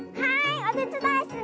おてつだいする！